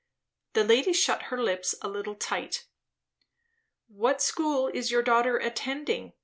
The lady shut her lips a little tight. "What school is your daughter attending?"